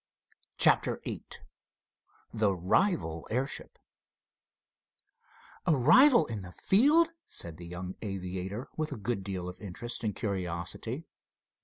CHAPTER VIII THE RIVAL AIRSHIP "A rival in the field?" said the young aviator, with a good deal of interest and curiosity.